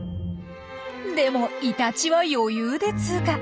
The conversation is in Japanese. でもイタチは余裕で通過。